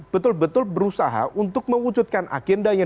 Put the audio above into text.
betul betul berusaha untuk mewujudkan agendanya